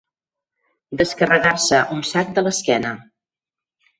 Descarregar-se un sac de l'esquena.